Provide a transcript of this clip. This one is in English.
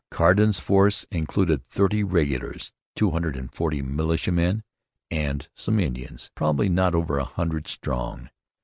Carden's force included thirty regulars, two hundred and forty militiamen, and some Indians, probably not over a hundred strong.